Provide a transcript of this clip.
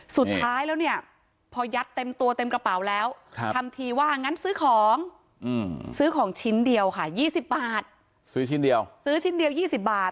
ซื้อของซื้อของชิ้นเดียวค่ะ๒๐บาทซื้อชิ้นเดียว๒๐บาท